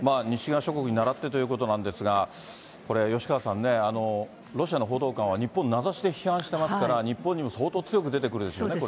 西側諸国にならってということなんですが、これ、吉川さんね、ロシアの報道官は日本、名指しで批判していますから、日本にも相当強く出てくるでしょう